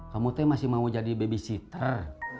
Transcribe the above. kamu tuh masih mau jadi babysitter